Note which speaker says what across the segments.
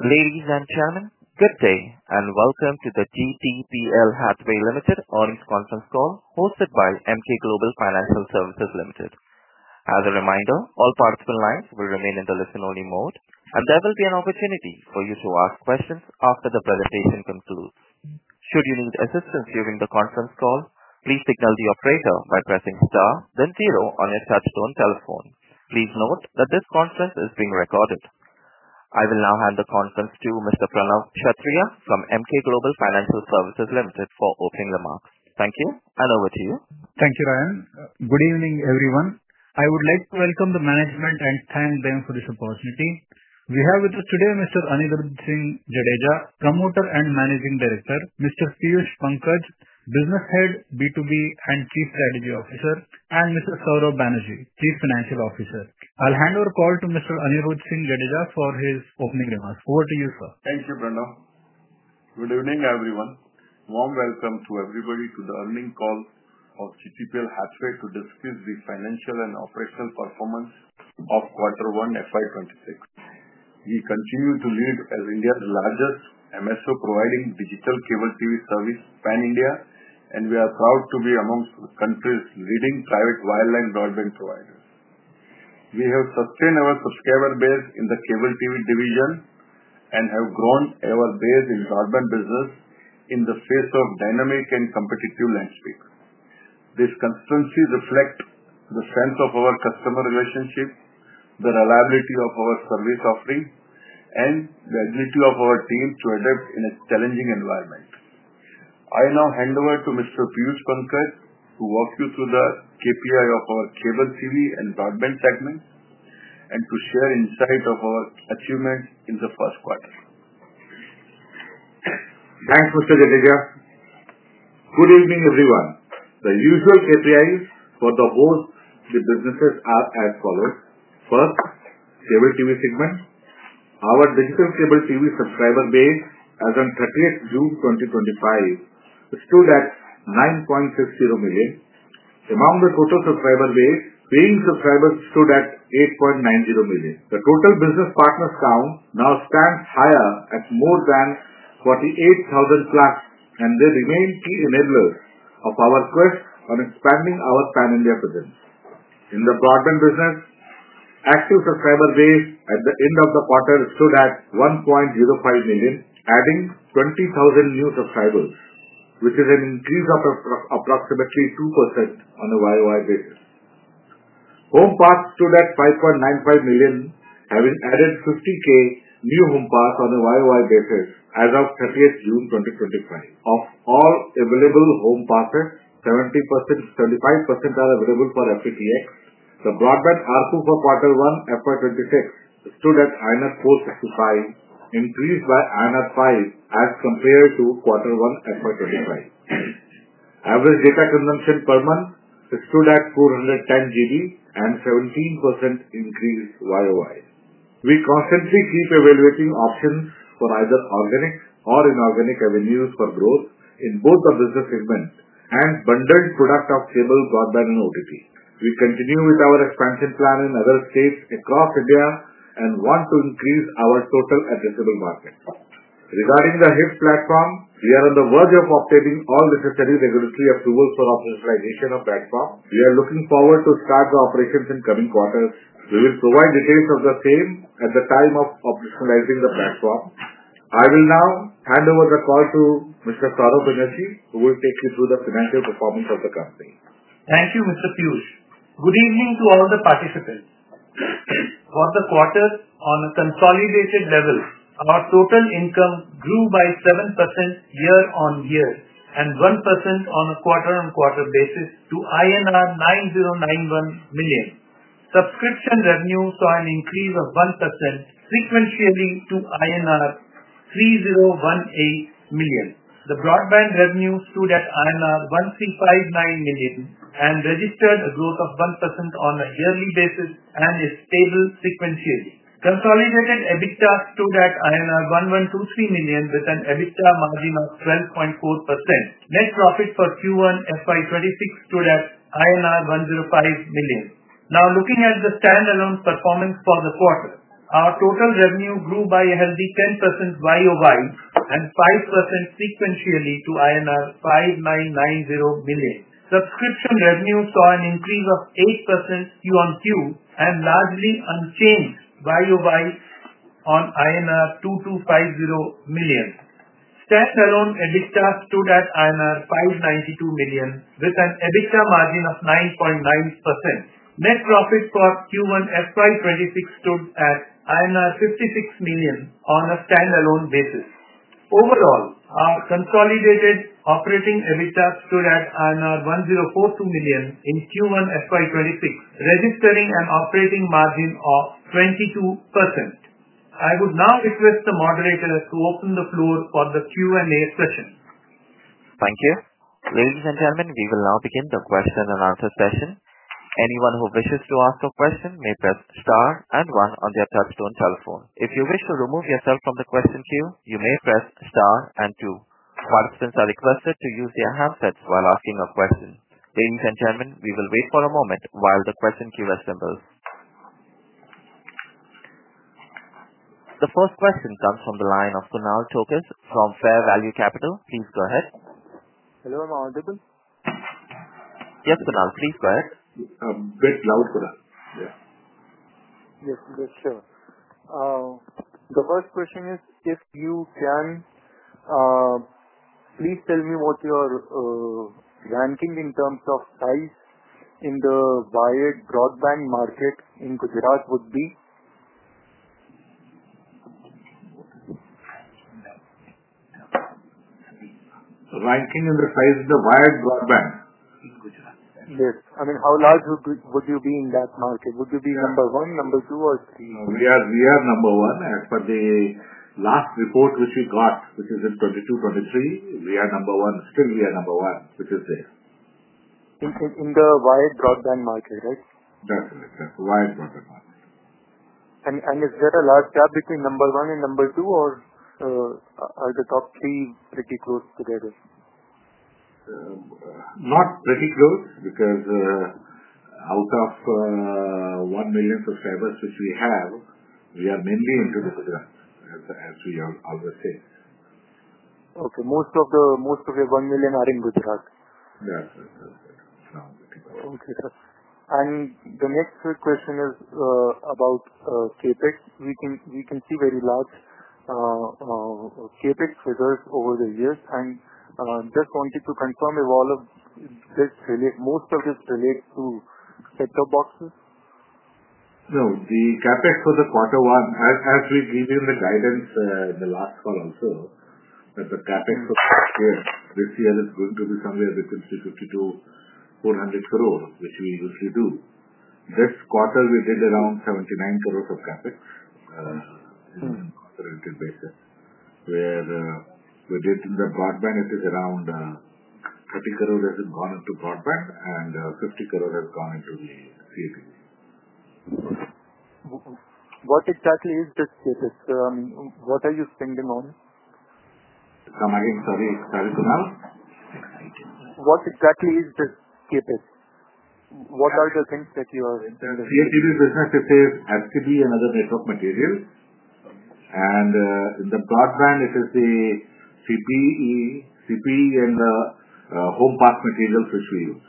Speaker 1: Ladies and gentlemen, good day, and welcome to the GTPL Hathway Limited Earnings Conference Call hosted by Emkay Global Financial Services Limited. As a reminder, all participant lines will remain in the listen-only mode, and there will be an opportunity for you to ask questions after the presentation concludes. Should you need assistance during the conference call, please signal the operator by pressing star then zero on your touch-tone telephone. Please note that this conference is being recorded. I will now hand the conference to Mr. Pranav Kshatriya from Emkay Global Financial Services Limited. for opening remarks. Thank you, and over to you.
Speaker 2: Thank you, Ryan. Good evening, everyone. I would like to welcome the management and thank them for this opportunity. We have with us today Mr. Anirudhsinh Jadeja, Promoter and Managing Director, Mr. Piyush Pankaj, Business Head, B2B, and Chief Strategy Officer, and Mr. Saurav Banerjee, Chief Financial Officer. I'll hand over the call to Mr. Anirudhsinh Jadeja for his opening remarks. Over to you, sir.
Speaker 3: Thank you, Pranav. Good evening, everyone. Warm welcome to everybody to the earnings call of GTPL Hathway to discuss the financial and operational performance of quarter one FY 2026. We continue to lead as India's largest MSO providing Digital Cable TV service in India, and we are proud to be amongst the country's leading private wireline broadband providers. We have sustained our subscriber base in the cable TV division and have grown our base in the government business in the face of a dynamic and competitive landscape. This constantly reflects the strength of our customer relationships, the reliability of our service offering, and the agility of our team to adapt in a challenging environment. I'll now hand over to Mr. Piyush Pankaj, who will walk you through the KPI of our cable TV and broadband segment and share insights on our achievements in the first quarter.
Speaker 4: Thanks, Mr. Jadeja. Good evening, everyone. The usual KPIs for the whole business are as follows: First, Cable TV segment. Our Digital Cable TV subscriber base as of 30th June 2025, stood at 9.60 million. Among the total subscriber base, paying subscribers stood at 8.90 million. The total business partner count now stands higher at more than 48,000, and they remain key enablers of our quest for expanding our pan-India presence. In the broadband business, active subscriber base at the end of the quarter stood at 1.05 million, adding 20,000 new subscribers, which is an increase of approximately 2% on a YoY basis. Homepass stood at 5.95 million, having added 50,000 new Homepass on a YoY basis as of 30th June 2025. Of all available Homepasses, 70%-75% are available for FTTX. The broadband ARPU for quarter one FY 2026 stood at 465, increased by 5 as compared to quarter one FY 2026. Average data consumption per month stood at 410 GB, a 17% increase YoY. We constantly keep evaluating options for either organic or inorganic avenues for growth in both the business segment and bundled products of cable, broadband, and OTT. We continue with our expansion plan in other states across India and want to increase our total addressable market. Regarding the HITS platform, we are on the verge of obtaining all necessary regulatory approvals for the optimization of the platform. We are looking forward to starting the operations in the coming quarters. We will provide details of the same at the time of optimizing the platform. I will now hand over the call to Mr. Saurav Banerjee, who will take you through the financial performance of the company.
Speaker 5: Thank you, Mr. Piyush. Good evening to all the participants. For the quarter, on a consolidated level, our total income grew by 7% year-on-year and 1% on a quarter-on-quarter basis to INR 9,091 million. Subscription revenue saw an increase of 1% sequentially to INR 3,018 million. The broadband revenue stood at INR 1,590 million and registered a growth of 1% on a yearly basis and is stable sequentially. Consolidated EBITDA stood at 1,123 million with an EBITDA margin of 12.4%. Net profits for Q1 FY 2026 stood at INR 1,050 million. Now, looking at the standalone performance for the quarter, our total revenue grew by a healthy 10% YoY and 5% sequentially to INR 5,990 million. Subscription revenue saw an increase of 8% Q-on-Q and largely unchanged YoY on INR 2,250 million. Standalone EBITDA stood at INR 592 million with an EBITDA margin of 9.9%. Net profit for Q1 FY 2026 stood at INR 56 million on a stand-alone basis. Overall, our consolidated operating EBITDA stood at 1,042 million in Q1 FY 2026, registering an operating margin of 22%. I would now request the moderator to open the floor for the Q&A session.
Speaker 1: Thank you. Ladies and gentlemen, we will now begin the question and answer session. Anyone who wishes to ask a question may press star and one on their touch-tone telephone. If you wish to remove yourself from the question queue, you may press star and two. Participants are requested to use their handsets while asking a question. Ladies and gentlemen, we will wait for a moment while the question queue assembles. The first question comes from the line of Kunal Tokas from Fair Value Capital. Please go ahead.
Speaker 6: Hello, am I audible?
Speaker 1: Yes, Kunal, please go ahead.
Speaker 4: A bit loud, Kunal.
Speaker 6: Yes, sir. The first question is, if you can, please tell me what your ranking in terms of size in the wired broadband market in Gujarat would be.
Speaker 4: Ranking in the size of the wired broadband?
Speaker 6: Yes. I mean, how large would you be in that market? Would you be number one, number two, or three?
Speaker 4: We are number one. The last report which we got, which is in 2022-2023, we are number one. Still, we are number one, which is there.
Speaker 6: In the wired broadband market, right?
Speaker 4: Yes, in the wired broadband market.
Speaker 6: Is there a large gap between number one and number two, or are the top three pretty close together?
Speaker 4: Not pretty close because out of 1 million subscribers which we have, we are mainly in Gujarat, as we always say.
Speaker 6: Okay. Most of the 1 million are in Gujarat?
Speaker 4: Yes, that's the people.
Speaker 6: Okay, sir. The next question is about CapEx. We can see very large CapEx figures over the years. I just wanted to confirm if all of this, most of this, relates to set-top boxes?
Speaker 4: No, the CapEx for the quarter one, as we revealed the guidance in the last call also, the CapEx for the first year, we see that it's going to be somewhere between 350 crore-400 crore, which we do. This quarter, we did around 79 crore for CapEx. Where we did in the broadband, it is around 30 crore has gone into broadband and 50 crore has gone into the CATV.
Speaker 6: What exactly is this CapEx? I mean, what are you spending on it?
Speaker 4: Come again? Sorry to interrupt.
Speaker 6: What exactly is this CapEx? What are the things that you are interested in?
Speaker 4: CATV business, let's say, is STB and other network materials. In the broadband, it is the CPE and the Homepass materials which we use.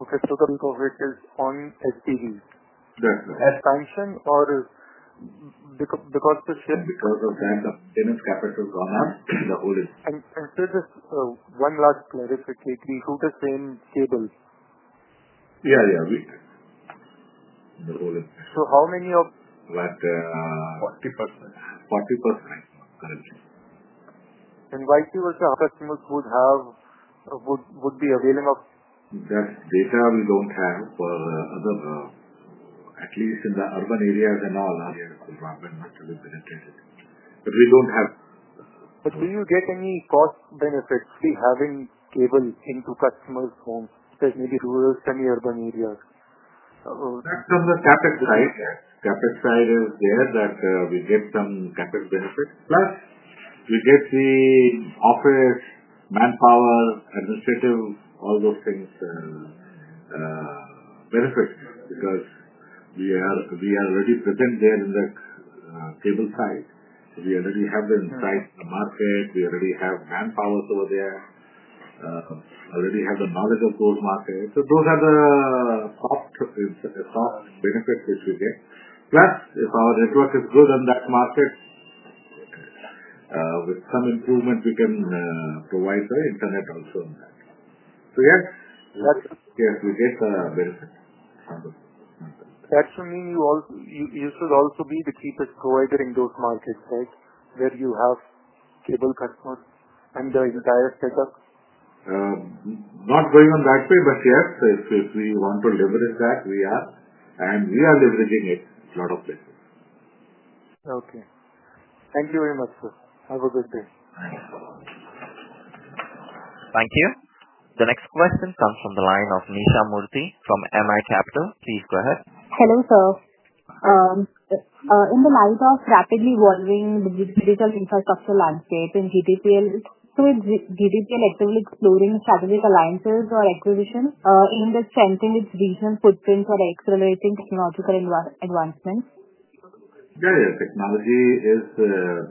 Speaker 6: Okay. Total income is on STB?
Speaker 4: Yes, sir.
Speaker 6: As mentioned, is it because of the shift?
Speaker 4: Because of the end of payments, capital has gone up. The whole is.
Speaker 6: Is this one large case which we see? Who does pay in cable?
Speaker 4: Yeah, we. The whole is.
Speaker 6: How many of?
Speaker 4: About 40%. 40%. Currently.
Speaker 6: Why do you say other teams would be availing of?
Speaker 4: They say, "We don't have for other, at least in the urban areas, they're not allowed to have the broadband. We don't have.
Speaker 6: Do you get any cost benefits to having cable into customers' homes, especially in the rural and urban areas?
Speaker 4: Oh, that's on the CapEx side. CapEx side is there that we get some CapEx benefit. Plus, we get the office, manpower, administrative, all those things, benefits because we are already present there in the cable side. We already have the size in the market. We already have manpower over there. We already have the knowledge of those markets. Those are the cost benefits which we get. Plus, if our network is good on that market, with some improvement, we can provide the internet also on that. Yes, we get benefits.
Speaker 6: That should mean you all, you should also be the cheapest provider in those markets, right, where you have cable customers and the entire setup?
Speaker 4: Not going on that way, yes, if we want to leverage that, we are. We are leveraging it a lot of places.
Speaker 6: Okay, thank you very much, sir. Have a good day.
Speaker 1: Thank you. The next question comes from the line of Nisha Murthy from MI Capital. Please go ahead.
Speaker 7: Hello, sir. In the light of rapidly evolving the digital infrastructure landscape in GTPL, is GTPL actively exploring strategic alliances or acquisitions aimed at strengthening its regional footprint and accelerating technological advancements?
Speaker 4: Yeah, technology is,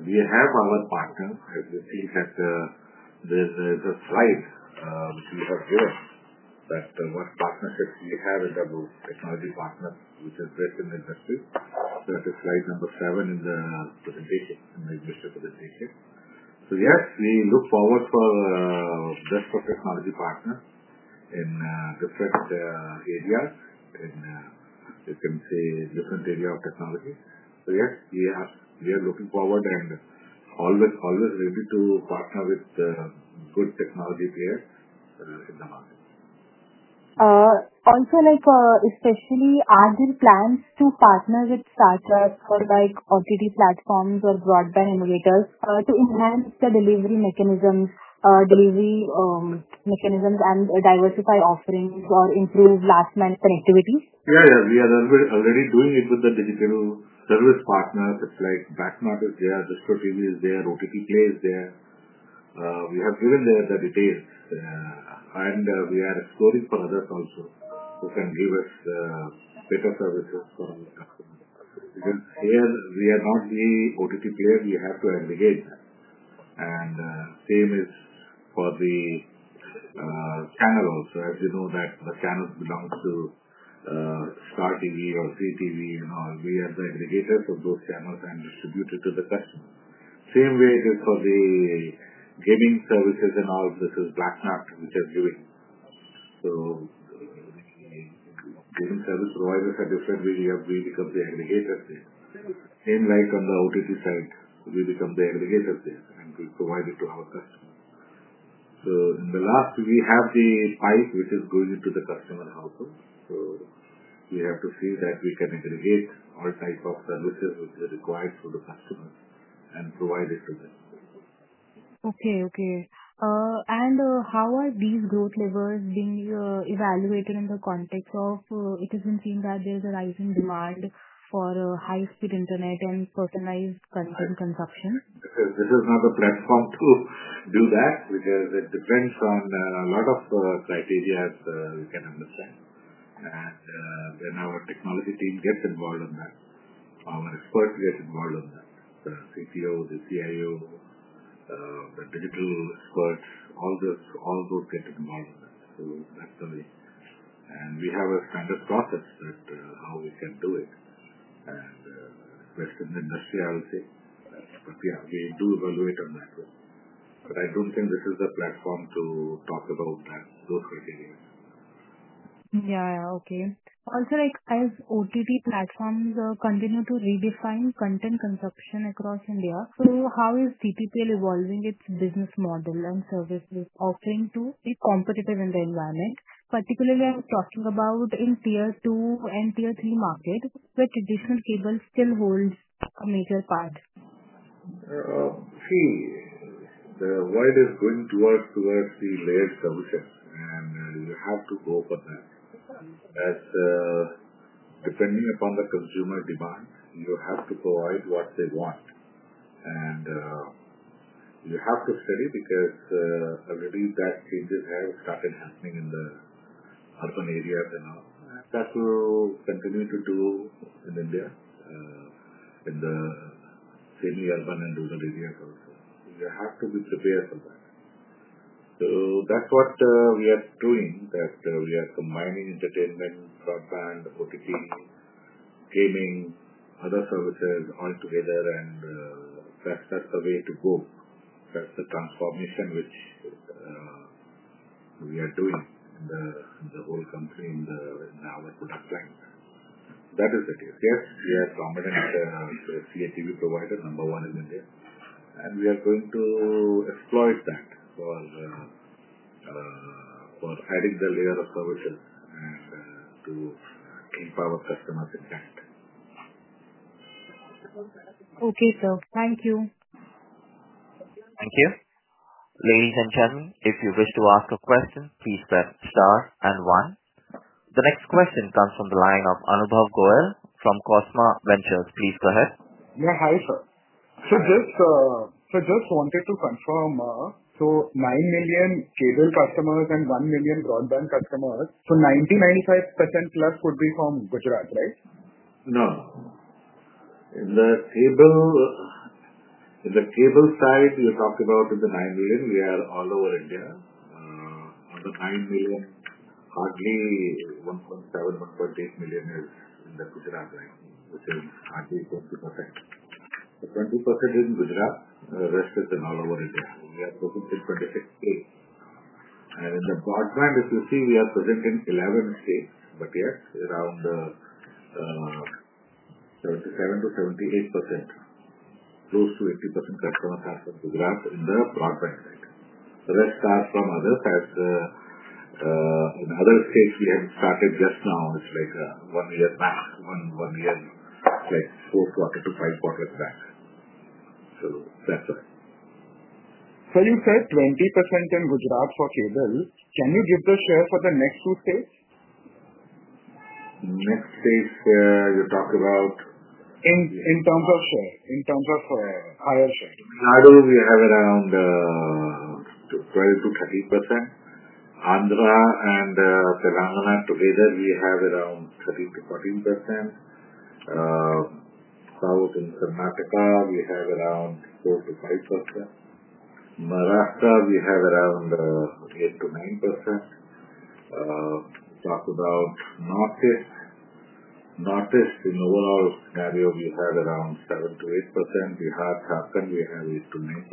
Speaker 4: we have our partners. As you see here, there's the slide, which we have zero. What partnerships we have is the technology partners, which are best in the industry. That is slide number seven in the investor presentation. Yes, we look forward for best for technology partners in different areas in, you can say, different areas of technology. Yes, we are looking forward and always ready to partner with good technology players in the market.
Speaker 7: Also, are there plans to partner with start-ups or OTT platforms or broadband innovators to enhance the delivery mechanisms and diversify offerings or improve last-minute connectivity?
Speaker 4: Yeah, we are already doing it with the digital service partners. It's like Blacknut is there, DistroTV is OTTplay is there. We have given the details, and we are exploring for others also who can give us better services for others. Because here, we are not the OTTplay. We have to aggregate that. The same is for the channel also. As you know, the channel belongs to Star TV or Zee TV and all. We are the aggregators of those channels and distribute it to the customer. The same way is for the gaming services and all. This is Blacknut, which is really. Different service providers are different. We have really become the aggregators there. The same like on the OTT side, we become the aggregators there, and we provide it to our customers. In the last, we have the price, which is going into the customer household. We have to see that we can aggregate all types of services which are required for the customers and provide it to them.
Speaker 7: Okay, okay. How are these growth levers being evaluated in the context of, it has been seen that there's a rising demand for high-speed internet and personalized content consumption?
Speaker 4: This is not the platform to do that, which is it depends on a lot of criteria we can understand. Our technology team gets involved in this. Our expert gets involved in this. The CTO, the CIO, the digital expert, all those get involved in this. We have a standard process for how we can do it. It's based on the industry, I would say. We do evaluate on that one. I don't think this is the platform to talk about those criteria.
Speaker 7: Yeah, okay. Also, as OTT platforms continue to redefine content consumption across India, how is GTPL evolving its business model and services offering to a competitor in the environment? Particularly, I'm talking about in tier two and tier three markets, which traditional cable still holds a major part.
Speaker 4: See, the world is going towards these layered services, and you have to go for them. Depending upon the consumer demand, you have to provide what they want. You have to study because already that changes have started happening in the urban areas and all. That will continue to do in India, in the semi-urban and rural areas also. You have to be prepared for that. That's what we are doing. We are combining entertainment, broadband, OTT, gaming, other services all together, and that's the way to go. That's the transformation which our product plan. That is the case. Yes, we are prominent as a CATV provider, number one in India. We are going to exploit that for adding the layer of provision.
Speaker 7: Okay, sir. Thank you.
Speaker 1: Thank you. Ladies and gentlemen, if you wish to ask a question, please press star and one. The next question comes from the line of Anubhav Goel from Cosma Ventures. Please go ahead.
Speaker 8: Yeah, hi, sir. Just wanted to confirm, 9 million cable customers and 1 million broadband customers, so 99.5%+ would be from Gujarat, right?
Speaker 4: No, no, no. In the cable side you talked about, in the 9 million, we are all over India. The 9 million, hardly 1.7 million or 1.8 million is in the Gujarat side, which is hardly 40%. The 20% is in Gujarat, rest is in all over India. We are talking 26 states. In the broadband, if you see, we are presenting 11 states. Yes, around 77%-78%, close to 80% customers are from Gujarat in the broadband side. Rest are from other sides. In other states, we have started just now. It's like a one-year bank, one-year size, four-quarter to five-quarter band. That's right.
Speaker 8: You said 20% in Gujarat for cable. Can you give the share for the next two states?
Speaker 4: Next states you're talking about?
Speaker 8: In terms of share, in terms of higher share.
Speaker 4: Higher share, we have around 12%-13%. Andhra and Telangana together, we have around 13%-14%. South and Karnataka, we have around 4%-5%. Maharashtra, we have around 8%-9%. We talked about Northeast. Northeast in overall scenario, we have around 7%-8%. We have South and we have 8%-9%.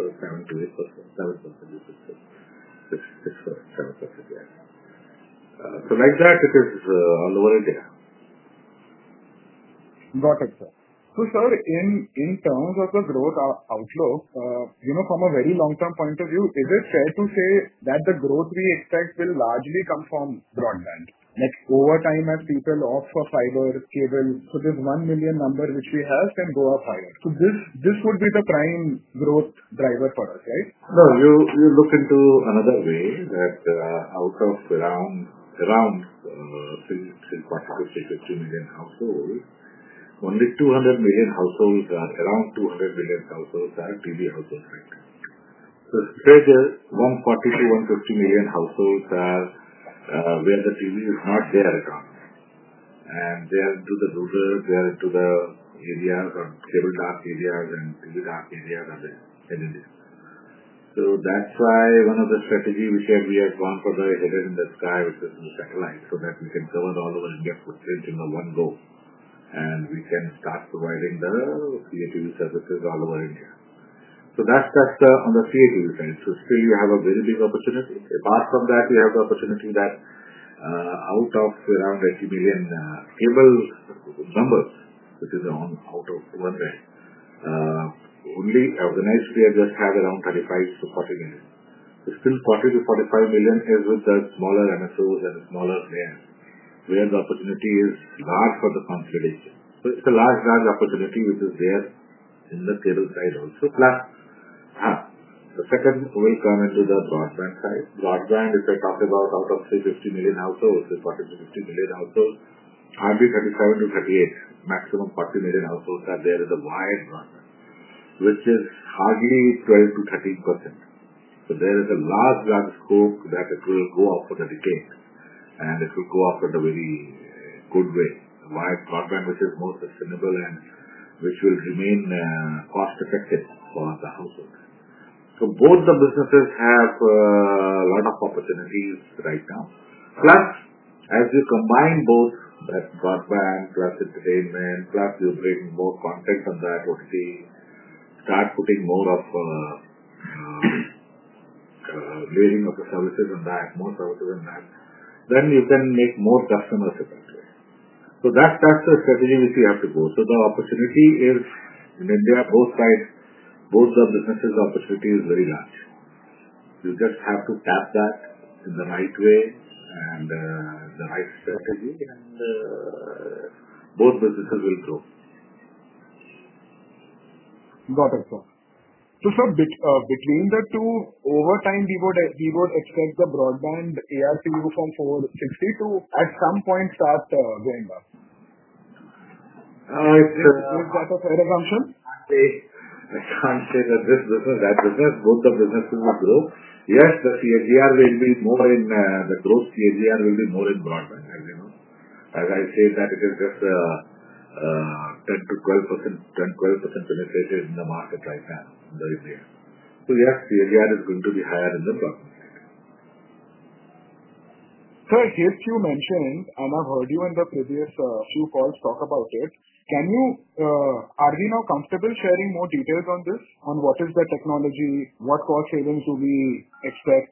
Speaker 4: Like that, it is all over India.
Speaker 8: Got it, sir. In terms of the growth outlook, from a very long-term point of view, is it fair to say that the growth we expect will largely come from broadband? Over time, as people opt for fibers, cable, this 1 million number which we have can go up higher. This would be the prime growth driver for us, right?
Speaker 4: No, you look into another way that out of around 340 million-350 million households, only 200 million households are, around 200 million households are TV households. It's because there are 140 million-150 million households where the TV is not there at all. They are to the rural areas or cable dark areas and TV dark areas in India. That's why one of the strategies which we have gone for is the Headend-In-The-Sky, which is the satellite, so that we can cover all over India footprint in one go. We can start providing the CATV services all over India. That's on the CATV side. Still, you have a very big opportunity. Apart from that, you have the opportunity that, out of around 80 million cable numbers, only organized care just has around 35 million-40 million. Still, 40 million-45 million average are smaller MSOs and smaller players, where the opportunity is large for the consumer. It's a large-range opportunity which is there in the cable side. Also, the second, we come into the broadband side. Broadband, if I talk about out of 350 million households, it's 40 million-50 million households. I'll be 37 million-38 million. Maximum 40 million households are there in the wired broadband, which is hardly 12%-13%. There is a large scope that it will go up for the decades, and it will go up in a very good way. Wired broadband, which is more sustainable and which will remain cost-effective for the household. Both the businesses have a lot of opportunities right now. Plus, as you combine both that broadband plus entertainment, plus you bring more context on that, OTT, start putting more of layering of the services on that, more services on that, then you can make more customers effective. That's the strategy which you have to go. The opportunity is in India both sides, both the businesses' opportunity is very large. You just have to tap that in the right way and the right strategy, and both businesses will grow.
Speaker 8: Got it, sir. Between the two, over time, we would expect the broadband ARPU from 460 to at some point start going up.
Speaker 4: I see.
Speaker 8: No thoughts of other concerns?
Speaker 4: I can't say that this business, that business, both the businesses will grow. Yes, the CAGR will be more in the growth. CAGR will be more in broadband, as you know. As I say that it is just 10%-12%, 10%, 12% benefit is in the market price now in the year. Yes, CAGR is going to be higher in the broadband.
Speaker 8: Sir, I hear you mentioned, and I've heard you in the previous two calls talk about it. Can you, are we now comfortable sharing more details on this? On what is the technology, what cost savings do we expect?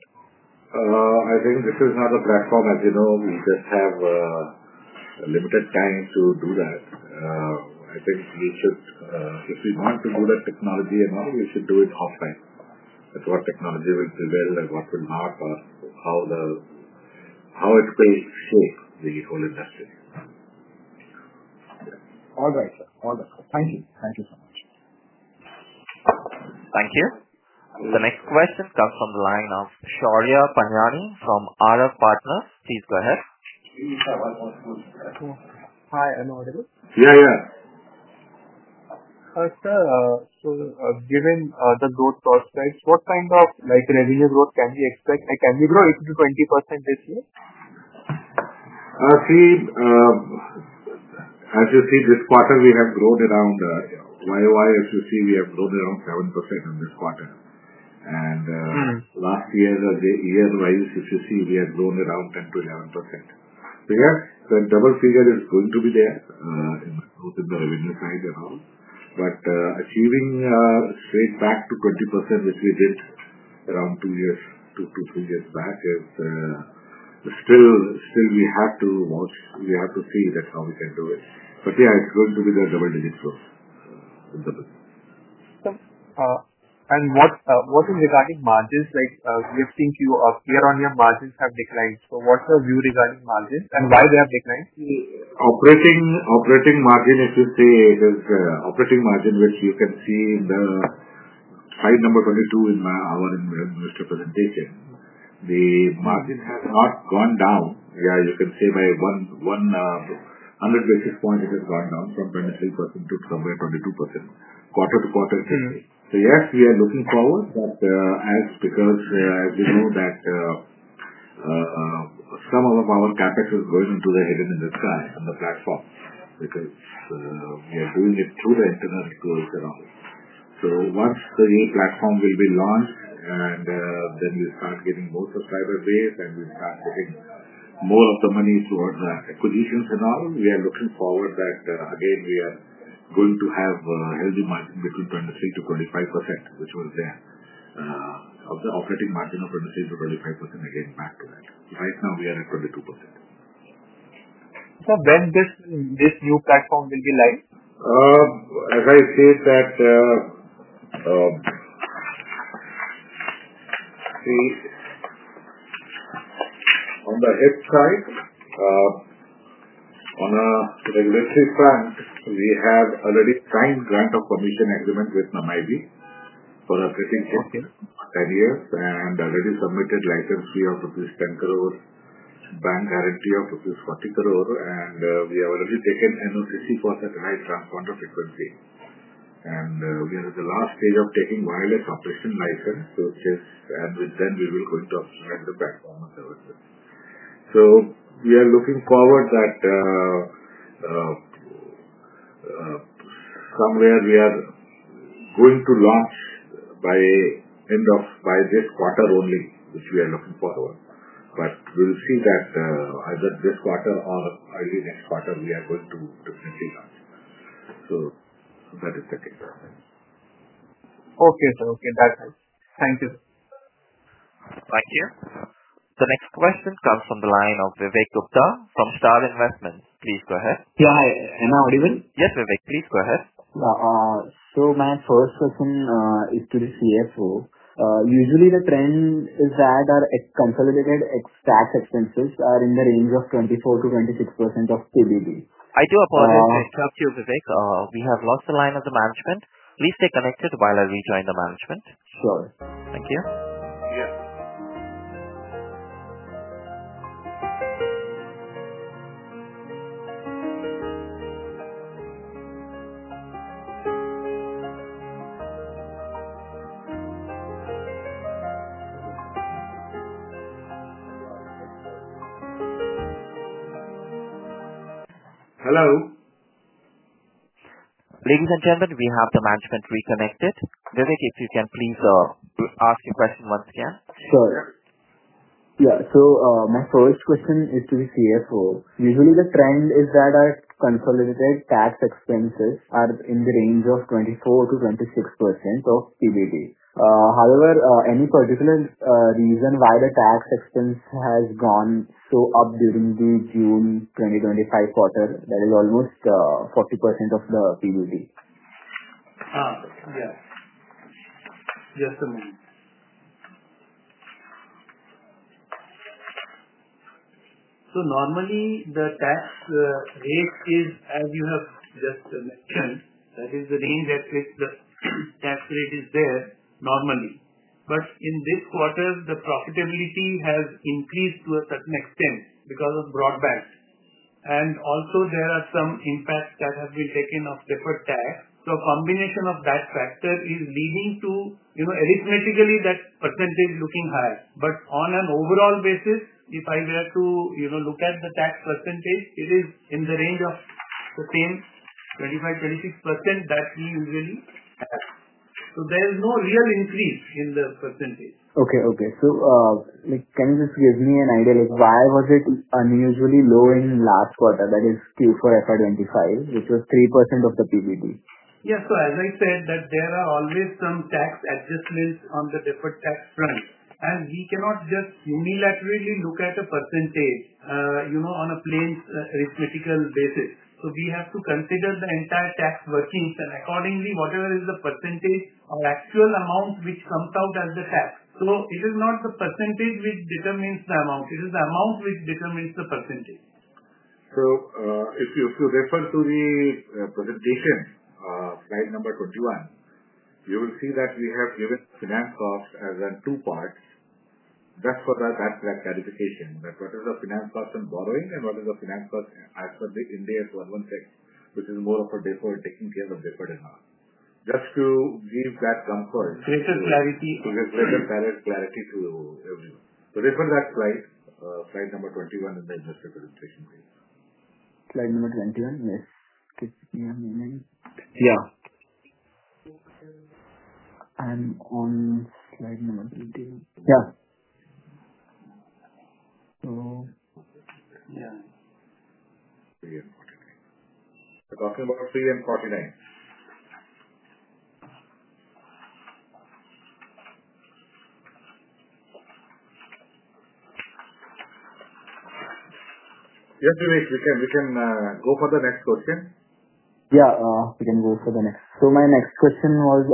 Speaker 4: I think this is not a platform, as you know. We just have a limited time to do that. I think if you want to go to that technology and all, we should do it half-time. That's what technology will prevail and what will mark, or how it's going to move the whole industry.
Speaker 8: All right, sir. All right. Thank you. Thank you, sir.
Speaker 1: Thank you. The next question comes from the line of Shaurya Punyani from Arjav Partners. Please go ahead.
Speaker 9: Sure. Hi, am I audible?
Speaker 4: Yeah, yeah.
Speaker 9: Sir, given the growth prospects, what kind of revenue growth can we expect? Can we grow 8% to 20% this year?
Speaker 4: See, as you see, this quarter, we have grown around the YoY. As you see, we have grown around 7% in this quarter. Last year, year-wise, as you see, we had grown around 10% to 11%. Yes, in double figure is going to be there in both in the revenue side and all. Achieving straight past to 20%, which we did around two years, two to three years back, is still, still we have to watch. We have to see that how we can do it. Yeah, it's going to be going double digits for us in the business.
Speaker 9: What is regarding margins? We have seen few of year-on-year margins have declined. What's your view regarding margins and why they have declined?
Speaker 4: The operating margin, if you say, if it's operating margin, which you can see in the slide number 22 in our investor presentation, the margin has not gone down. Yeah, you can say by 100 basis point, it has gone down from 23% to somewhere 22% quarter-to-quarter. Yes, we are looking forward, but as because, as you know, that some of our CapEx is going into the Headend-In-The-Sky on the platform because we are doing it through the internal tools and all. Once the new platform will be launched, and then we start getting more subscriber base, and we start putting more of the money towards that acquisitions and all, we are looking forward that again, we are going to have a healthy margin between 23%-25%, which was there, of the operating margin of 23%-25% again back to that. Right now, we are at 22%.
Speaker 9: Sir, when will this new platform be live?
Speaker 4: As I said, on the HITS side, on a regulatory front, we had already signed a Grant of Permission Agreement with the MIB for operating footprint areas and already submitted license fee of at least INR 10 crore, bank guarantee of at least 40 crore. We have already taken NOC for that high sound quantum frequency. We are at the last stage of taking wireless operation license, which is, and with them, we will go into the platform of services. We are looking forward that somewhere we are going to launch by the end of this quarter only, which we are looking forward to. We will see that either this quarter or early next quarter, we are going to reach the CTR. That is the case.
Speaker 9: Okay, sir. Okay, that's it. Thank you.
Speaker 1: Thank you. The next question comes from the line of Vivek Gupta from Star Investments. Please go ahead.
Speaker 10: Yeah, hi. Am I audible?
Speaker 1: Yes, Vivek, please go ahead.
Speaker 10: My first question is to the CFO. Usually, the trend is that our consolidated stats expenses are in the range of 24%-26% of PBT.
Speaker 1: I do apologize. I interrupt you, Vivek. We have lost a line of the management. Please take a message while I rejoin the management.
Speaker 10: Sorry.
Speaker 1: Thank you.
Speaker 10: Yeah. Hello.
Speaker 1: Ladies and gentlemen, we have the management reconnected. Vivek, if you can please ask a question once again.
Speaker 10: Sure. Yeah. My first question is to the CFO. Usually, the trend is that our consolidated tax expenses are in the range of 24%-26% of PBT. However, any particular reason why the tax expense has gone so up during the June 2025 quarter? That was almost 40% of the PBT.
Speaker 5: Yes, yes, sir. Normally, the tax rate is, as you have just mentioned, or is the range that the tax rate is there normally. In this quarter, the profitability has increased to a certain extent because of broadband. There are some impacts that have been taken of record tax. A combination of that factor is leading to, you know, arithmetically, that percentage is looking high. On an overall basis, if I were to, you know, look at the tax percentage, it is in the range of 15%, 25%, 26% that we usually. There's no real increase in the percentage.
Speaker 10: Okay, okay. Can you just give me an idea? Why was it unusually low in the last quarter, that is Q4 FY 2025, which was 3% of the PBT?
Speaker 5: Yes, sir. As I said, there are always some tax adjustments on the default tax front. We cannot just unilaterally look at a percentage on a plain arithmetical basis. We have to consider the entire tax workings. Accordingly, whatever is the percentage or actual amount which comes out at the tax, it is not the percentage which determines the amount. It is the amount which determines the percentage.
Speaker 4: If you could refer to the presentation slide number 21, you will see that we have given finance cost as in two parts. Just for that clarification, what is the finance cost in borrowing and what is the as per the Ind AS 116, which is more for default, taking care of default and all. Just to give that concourse.
Speaker 10: It's a clarity.
Speaker 4: Let me add clarity to everyone. Refer to that slide, slide number 21 in the investor presentation page.
Speaker 10: Slide number 21?
Speaker 4: Yes.
Speaker 10: 6:00 P.M. A.M.
Speaker 4: Yeah.
Speaker 10: On slide number 18.
Speaker 4: Yeah.
Speaker 10: So.
Speaker 4: Yeah.
Speaker 10: Yeah.
Speaker 4: I'm talking about 3 and 49. Yes, we can go for the next question.
Speaker 10: Yeah, we can go for the next. My next question was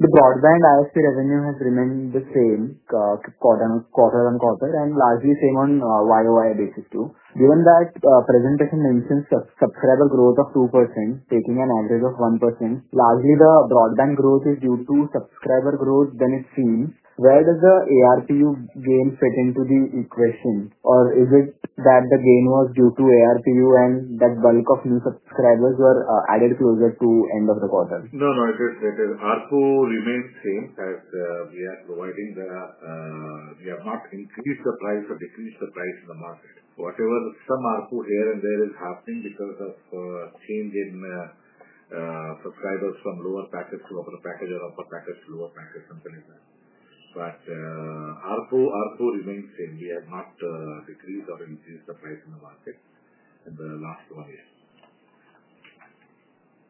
Speaker 10: the broadband ISP revenue has remained the same quarter-on-quarter and largely same on YoY basis too. Given that presentation mentions subscriber growth of 2%, taking an average of 1%, largely the broadband growth is due to subscriber growth, then it's seen. Where does the ARPU gain fit into the equation? Is it that the gain was due to ARPU and that bulk of new subscribers were added closer to the end of the quarter?
Speaker 4: No, no, ARPU remains the same as we are providing. We have not increased the price or decreased the price in the market. Whatever some ARPU here and there is happening because of a change in subscribers from lower packets to upper packets or upper packets to lower packets, something like that. ARPU remains the same. We have not decreased or increased the price.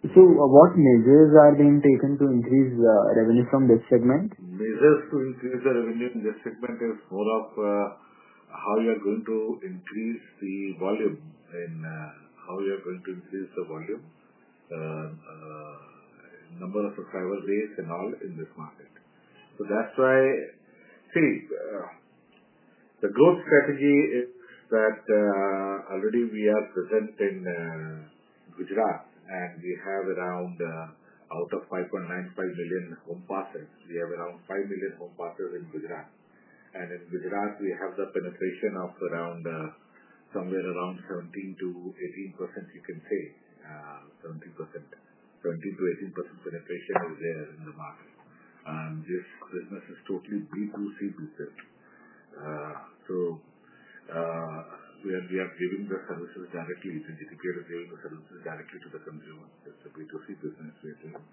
Speaker 10: What measures are being taken to increase the revenue from this segment?
Speaker 4: Measures to increase the revenue in this segment is more of how you're going to increase the volume and how you're going to increase the volume, the number of subscriber base, and all in this market. That's why, see, the growth strategy is that already we are present in Gujarat, and we have around out of 5.95 million Homepasses. We have around 5 million Homepasses in Gujarat. In Gujarat, we have the penetration of around somewhere around 17%-18%, you can say. 17%. 17%-18% penetration is there in the market. This business is totally B2C business. We are giving the solutions directly to the consumer. It's a B2C business we're doing.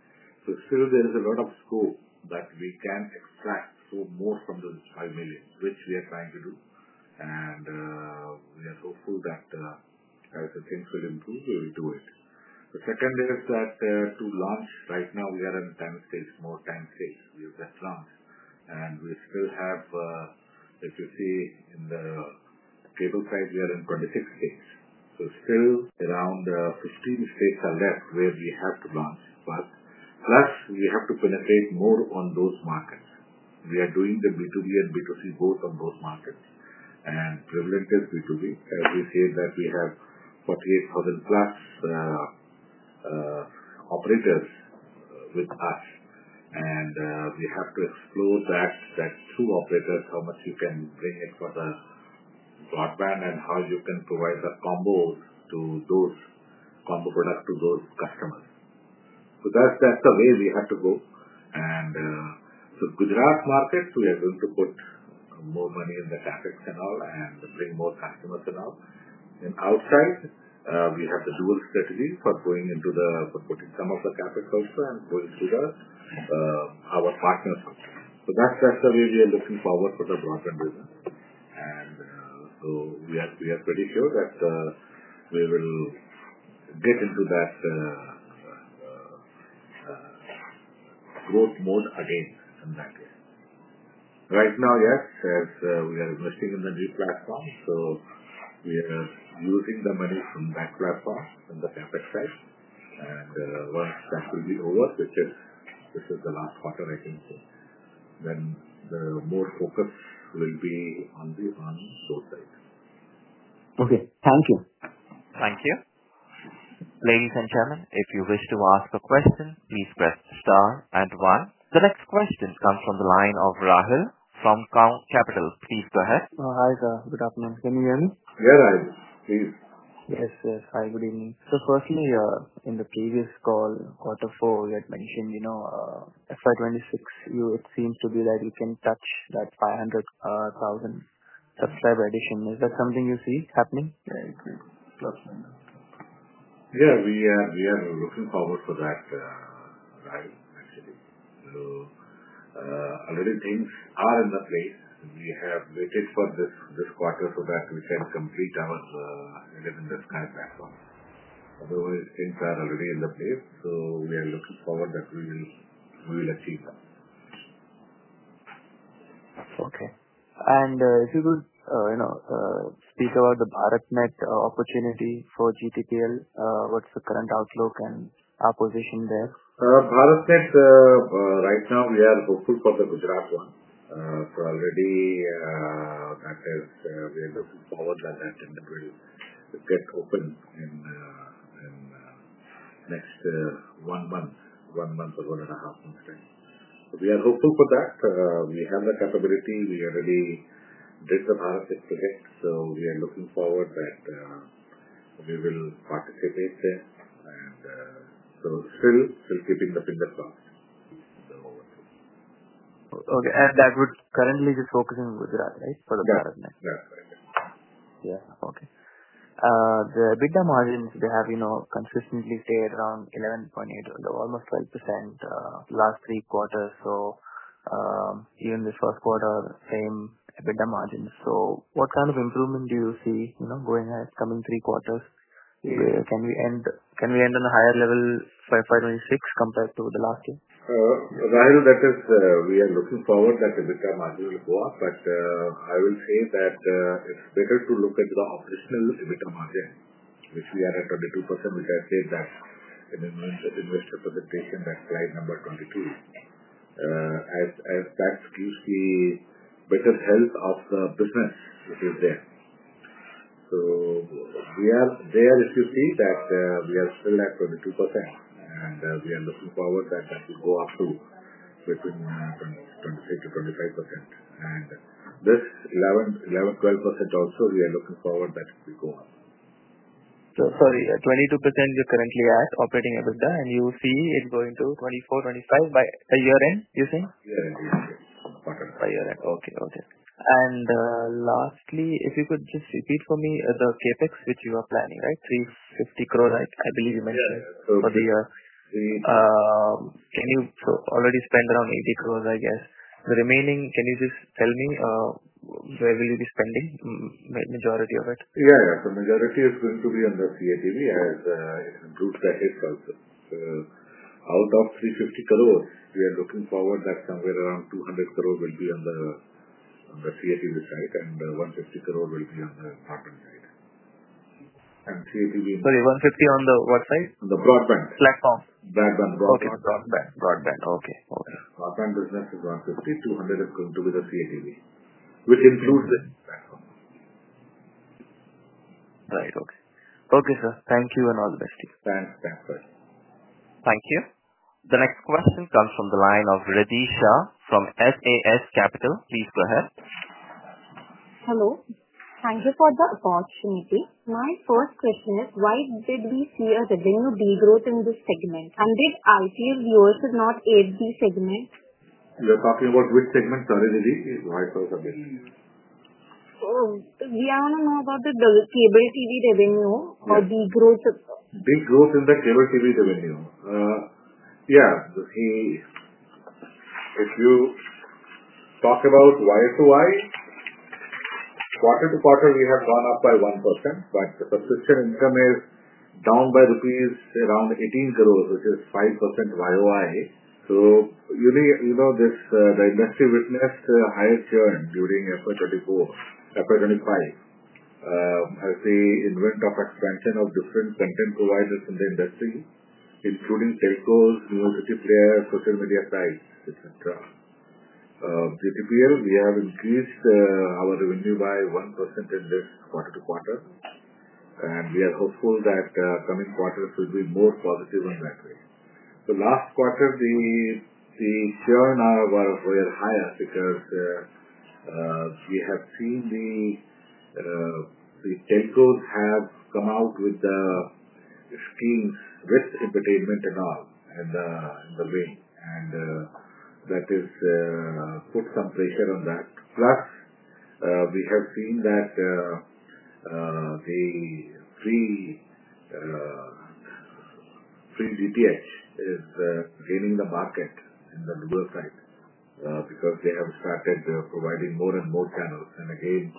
Speaker 4: Still, there is a lot of scope that we can extract for more from those 5 million, which we are trying to do. We are hopeful that as the things will improve, we will do it. The second is that to launch, right now, we are in 10 states, more 10 states. We have just launched. We still have, as you see, in the cable side, we are in 26 states. Still, around 15 states are left where we have to launch. Plus, we have to penetrate more on those markets. We are doing the B2B and B2C both on those markets. Privileged is B2B. As you said, we have 48,000+ operators with us. We have to explore that that's true operators, how much you can bring it from a broadband and how you can provide a combo to those combo products to those customers. That's the way we have to go. Gujarat market, we are going to put more money in the CapEx and all and bring more customers and all. Outside, we have the dual strategy for going into the putting some of the CapEx also and going to our partners. That's the way we are looking forward for the broadband business. We are pretty sure that we will get into that growth mode again on that day. Right now, yes, as we are investing in the new platform. We are losing the money from that platform on the CapEx side. Once that will be over, which is this is the last quarter, I think, then the more focus will be on the running float side.
Speaker 10: Okay, thank you.
Speaker 1: Thank you. Ladies and gentlemen, if you wish to ask a question, please press star and one. The next question comes from the line of Rahul from Crown Capital. Please go ahead. Hi, sir. Good afternoon. Can you hear me?
Speaker 4: Yeah, I am. Please. Yes, yes. Hi, good evening. In the previous call, quarter four, we had mentioned, you know, FY 2026, it seems to be like we can touch that 500,000 subscriber addition. Is that something you see happening? Yeah, we are looking forward to that. Things are already in place. We have waited for this quarter so that we can complete our 11% platform. Although things are already in place, we are looking forward that we will achieve that. Okay. If you could, you know, speak about the BharatNet opportunity for GTPL Hathway, what's the current outlook and our position there? BharatNet, right now, we are hopeful for the Gujarat one. That is, we are looking forward that case opens in the next one month, a month and a half instead. We are hopeful for that. We have the capability. We already did the BharatNet phase. We are looking forward that we will participate there, still keeping up in the cost. Okay. That would currently be focusing in Gujarat, right, for the BharatNet? Yes. Yeah. Okay. The EBITDA margins, they have consistently stayed around 11.8%, almost 12% the last three quarters. Even this first quarter, same EBITDA margins. What kind of improvement do you see going ahead coming three quarters? Can we end on a higher level for FY 2026 compared to the last year? We are looking forward that EBITDA margin will go up. I will say that it's better to look at the official EBITDA margin, which we are at 22%, which I said in the investor presentation, that's slide number 22. That gives the better health of the business, which is there. We are there, if you see that we are still at 22%. We are looking forward that we go up to between 23%-25%. This 11%, 12% also, we are looking forward that we go up. For 22%, you're currently at operating EBITDA, and you see it going to 24%, 25% by year-end, you're saying? Yeah, yeah. By year-end. Okay, okay. Lastly, if you could just repeat for me the CapEx, which you are planning, right? You've 350 crore, right? I believe you mentioned for the year. Yes, sir. Already spent around 80 crore, I guess. The remaining, can you just tell me where will you be spending the majority of it? Yeah, yeah. The majority is going to be on the CATV as it improves the HITS also. Out of 350 crore, we are looking forward that somewhere around 200 crore will be on the CATV side, and 150 crore will be on the broadband side. CATV, sorry, 150 crore on the what side? The broadband. Platform. That's on the broadband. Okay, broadband. Okay, okay. Broadband business is 150 crore. 200 crore is going to be the CATV, which includes. Right. Okay. Okay, sir. Thank you and all the best to you. Thanks. Thanks, sir.
Speaker 1: Thank you. The next question comes from the line of Radhi Shah from SAS Capital. Please go ahead.
Speaker 11: Hello. Thank you for the opportunity. My first question is, why did we see a revenue of big growth in this segment? Did GTPL use it not in the segment?
Speaker 4: You're talking about which segment, sorry, Radhi? Why?
Speaker 11: We want to know about the cable TV revenue or big growth.
Speaker 4: Big growth in the cable TV revenue. Yeah, to see, if you talk about YoY, quarter-to-quarter, we have gone up by 1%. The persistent income is down by 18 crore rupees, which is 5% YoY. The industry witnessed a higher churn during FY 2024, FY 2025. I'll say, in the event of expansion of different content providers in the industry, including telcos, multiple players, social media sites, etc. GTPL, we have increased our revenue by 1% in this quarter-to-quarter. We are hopeful that the coming quarter will be more positive in that way. The last quarter, the churn was higher because we have seen the telcos have come out with the schemes, rich entertainment and all, and the ring. That has put some pressure on that. Plus, we have seen that the free DTH is gaining the market in the liberal side because they have started providing more and more channels. Again,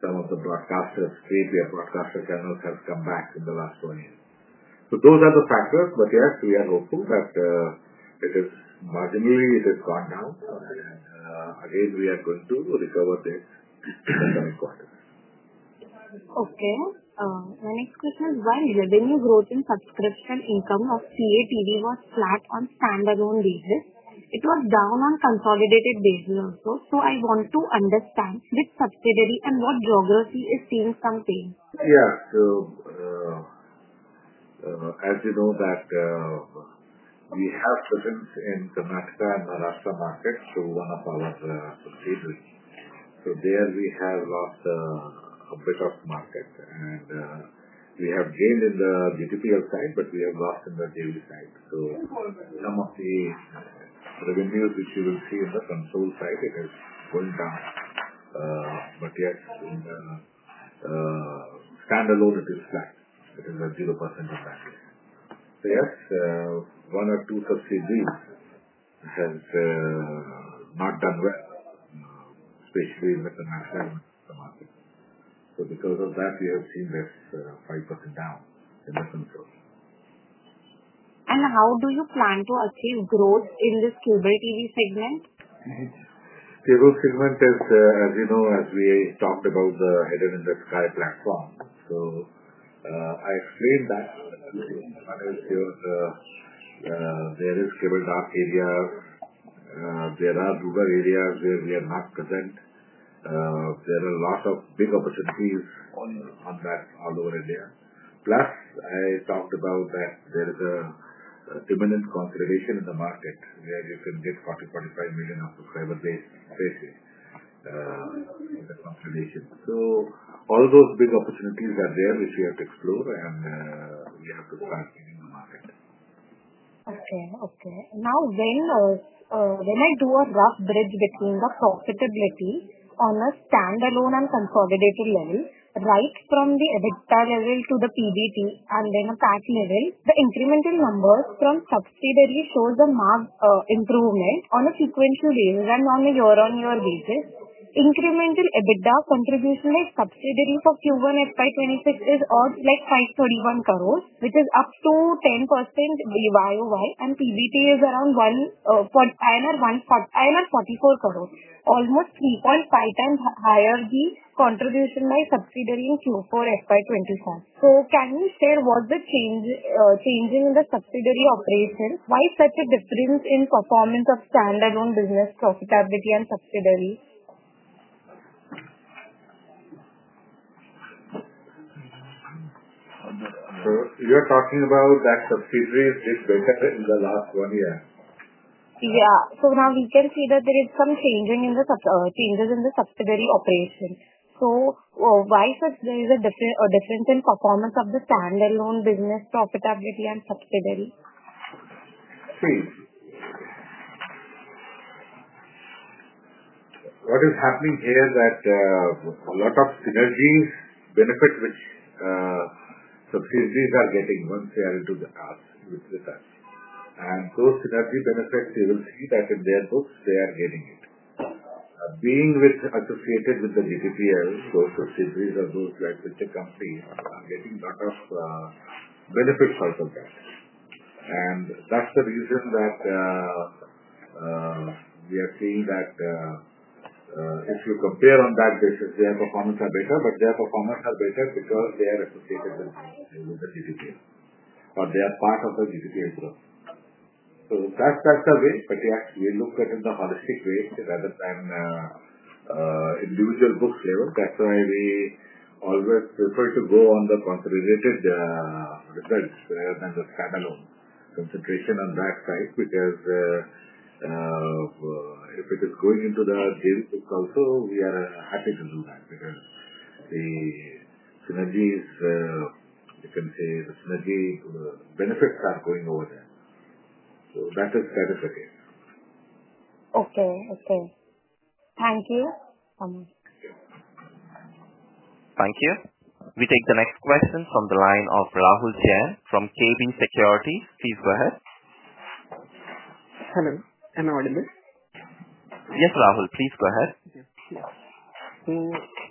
Speaker 4: some of the broadcasters, KPL broadcaster channels have come back in the last four years. Those are the factors. Yes, we are hopeful that it is marginally, it has gone down. We are going to recover this in the third quarter.
Speaker 11: Okay. My next question is, while revenue growth in subscription income of CATV was flat on stand-alone basis, it was down on consolidated basis also. I want to understand which subsidiary and what geography is seeing some pain.
Speaker 4: Yeah. As you know, we have presence in Karnataka and Maharashtra markets. One of our subsidiaries, there we have lots of breadth of market. We have gained in the GTPL side, but we have lost in the JV side. Some of the revenue, which you will see on the control side, is going down. Yes, stand-alone, it is flat. It is 0% of that. One or two subsidiaries have not done well, especially in the Karnataka market. Because of that, we have seen this 5% down in the float side.
Speaker 11: How do you plan to achieve growth in this Cable TV segment?
Speaker 4: Cable segment is, as you know, as we talked about the Headend-In-The-Sky platform. I explained that there are cable dark areas, there are rural areas where we are not present, and there are a lot of big opportunities on that all over India. Plus, I talked about that there is an imminent consolidation in the market where you can get 40 million, 45 million of subscribers basically. All those big opportunities are there, which we have to explore, and we have to start in the market.
Speaker 11: Okay, okay. Now, when I do a graph bridge between the profitability on a standalone and consolidated level, right from the EBITDA level to the PBT and then a PAT level, the incremental numbers from subsidiary show the marked improvement on a sequential basis and on a year-on-year basis. Incremental EBITDA contribution in subsidiary for Q1 FY 2026 is like INR 531 crore, which is up to 10% by YoY, and PBT is around INR 1.10 or INR 44 crore. Almost 3.5x higher the contribution by subsidiary in Q4 FY 2024. Can you share what the change is in the subsidiary operation? Why such a difference in performance of standalone business profitability and subsidiary?
Speaker 4: You are talking about that subsidiary is just better in the last one year.
Speaker 11: Yeah. Now we can see that there is some change in the subsidiary operation. Why is there a difference in performance of the stand-alone business profitability and subsidiary?
Speaker 4: See, what is happening here is that a lot of synergies benefit which subsidiaries are getting once they are into the apps with us. Those synergy benefits, you will see that in their books, they are getting it. Being associated with GTPL, those subsidiaries and those who are getting a lot of benefits out of that. That's the reason that we are seeing that if you compare on that, they should say our performance are better, but their performance are better because they are associated with GTPL. They are part of the GTPL growth. That's the way. Yes, we look at it in the holistic way rather than individual books level. That's why we always prefer to go on the consolidated the sites rather than the standalone concentration on that side because if it is going into the JV chips also, we are happy to do that because the synergies, you can say the synergy benefits are going over there. That is quite a good thing.
Speaker 11: Okay, okay. Thank you.
Speaker 1: Thank you. We take the next question from the line of Rahul Jain from KB Securities. Please go ahead.
Speaker 12: Hello. Am I audible?
Speaker 1: Yes, Rahul. Please go ahead.
Speaker 12: Yes.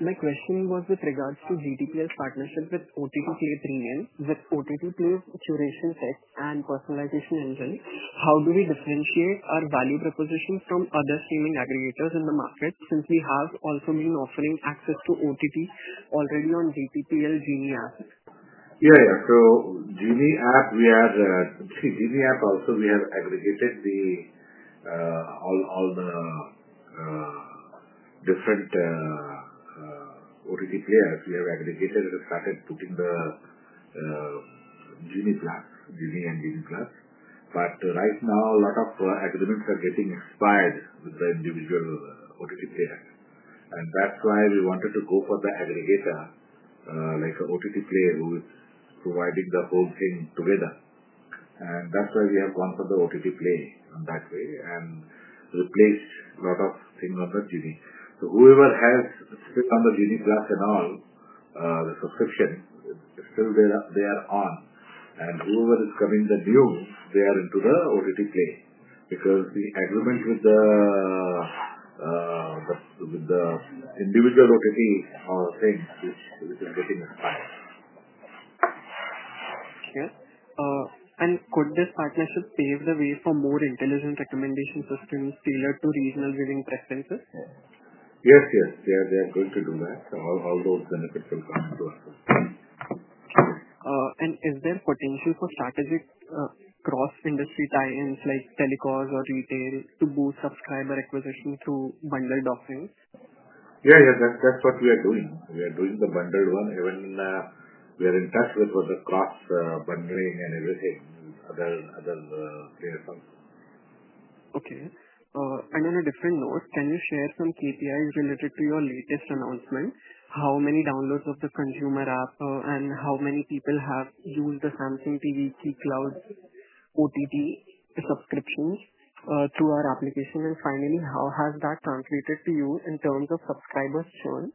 Speaker 12: My question was with regards to GTPL's partnership OTTplay Premium with OTTplay's curation sets and personalization engine. How do we differentiate our value proposition from other streaming aggregators in the market since we have also been offering access to OTT already on GTPL Genie app?
Speaker 4: Yeah, yeah. Genie app, we had, see, Julia app also, we have aggregated all the different OTTplays. We have aggregated and started putting the Genie and Genie+. Right now, a lot of agreements are getting expired with the individual OTTplays. That's why we wanted to go for the aggregator, like an OTTplay, who is providing the whole thing together. That's why we have gone for the OTTplay in that way and replaced a lot of things on the Genie. Whoever has split on the Genie+ and all, the subscription, they are on. Whoever is covering the due, they are into the OTTplay because the agreement with the individual OTT or thing is getting expired.
Speaker 12: Could this partnership pave the way for more intelligent recommendation systems tailored to regional viewing preferences?
Speaker 4: Yes, yes. Yeah, they are going to do that. All those benefits will come to us.
Speaker 12: Is there potential for strategic cross-industry tie-ins like telecoms or retail to boost subscriber acquisition through bundled offerings?
Speaker 4: Yeah, yeah. That's what we are doing. We are doing the bundled one. Even we are in touch with other cross-bundling and everything with other players.
Speaker 12: Okay. On a different note, can you share some KPIs related to your latest announcement? How many downloads of the consumer app and how many people have used the Samsung TV key Cloud OTT subscription through our application? Finally, how has that translated to you in terms of subscribers' churn?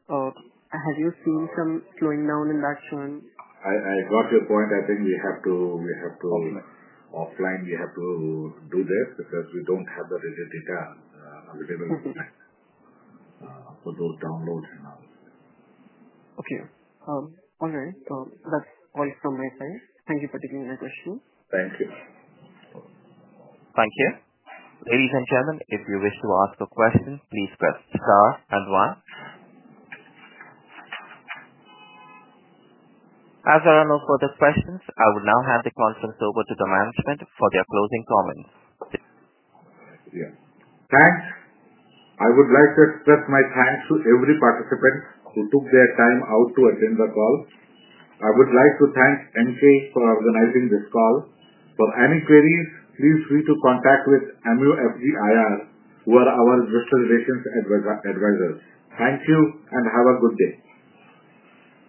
Speaker 12: Have you seen some slowing down in that churn?
Speaker 4: I got your point. I think you have to, we have to offline, you have to do this because we don't have the residual data available for those downloads now.
Speaker 12: Okay. All right. That's all from my side. Thank you for taking my questions.
Speaker 4: Thank you.
Speaker 1: Thank you. Ladies and gentlemen, if you wish to ask a question, please press star and one. As there are no further questions, I will now hand the conference over to the management for their closing comments.
Speaker 4: Thank you.
Speaker 12: Thanks.
Speaker 4: I would like to express my thanks to every participant who took their time out to attend the call. I would like to thank Emkay for organizing this call. For any queries, feel free to contact with MUFG IR, who are our Investor Relations Advisor. Thank you and have a good day.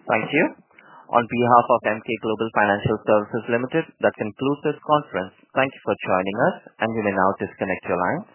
Speaker 1: Thank you. On behalf of Emkay Global Financial Services Limited, that concludes this conference. Thank you for joining us, and we will now disconnect your line.